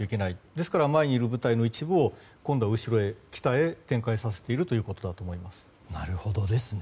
ですから前にいる部隊の一部を今度は後ろ、北へ展開させているということだと思います。